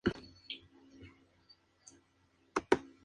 Uno de los mayores destinos navales en el Pacífico español.